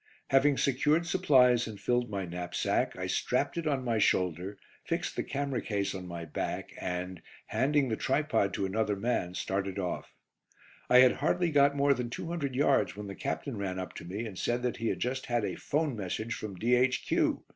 Having secured supplies and filled my knapsack, I strapped it on my shoulder, fixed the camera case on my back and, handing the tripod to another man, started off. I had hardly got more than two hundred yards when the Captain ran up to me and said that he had just had a 'phone message from D.H.